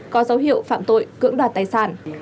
có dấu hiệu phạm tội cưỡng đoạt tài sản